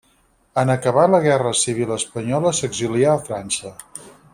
En acabar la guerra civil espanyola s'exilià a França.